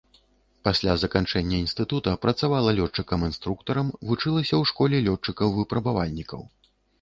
Пасля заканчэння інстытута працавала лётчыкам-інструктарам, вучылася ў школе лётчыкаў-выпрабавальнікаў.